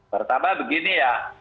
pertama begini ya